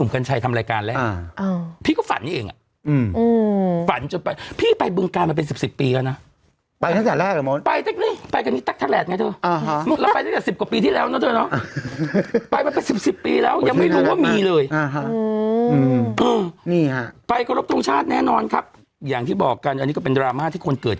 กลายเป็นบัตรคิวน้องใช่ฮะอุ้ยอย่างสมมุติขึ้นบัตรคิว